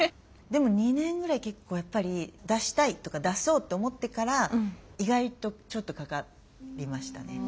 でも２年ぐらい結構やっぱり出したいとか出そうと思ってから意外とちょっとかかりましたね。